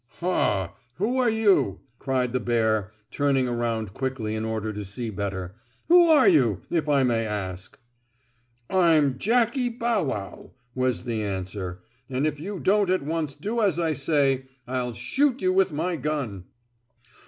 "Ha! Who are you?" cried the bear, turning around quickly in order to see better. "Who are you, if I may ask?" "I'm Jackie Bow Wow," was the answer, "and if you don't at once do as I say I'll shoot you with my gun!"